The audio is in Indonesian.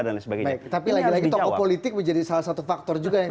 tapi lagi lagi tokoh politik menjadi salah satu faktor juga yang